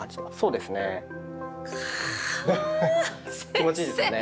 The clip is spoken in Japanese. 気持ちいいですよね？